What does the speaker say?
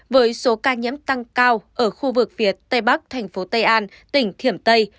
với số ca nhiễm tăng cao ở khu vực phía tây bắc thành phố tây an tỉnh thiểm tây